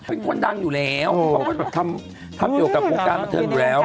เป็นคนดังอยู่แล้วเขาก็แบบทำเกี่ยวกับวงการบันเทิงอยู่แล้ว